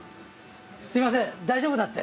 すいません大丈夫だって。